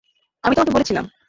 আমি তোমাকে বলেছিলাম।